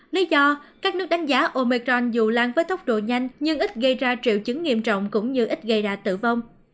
lý do các nước đánh giá omecron dù lan với tốc độ nhanh nhưng ít gây ra triệu chứng nghiêm trọng cũng như ít gây ra tử vong